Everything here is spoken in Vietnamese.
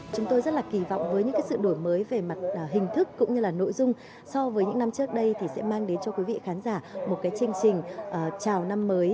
chúng tôi rất là kỳ vọng với những sự đổi mới về mặt hình thức cũng như là nội dung so với những năm trước đây thì sẽ mang đến cho quý vị khán giả một chương trình chào năm mới